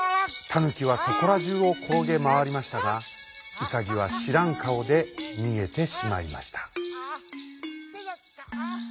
タヌキはそこらじゅうをころげまわりましたがウサギはしらんかおでにげてしまいました。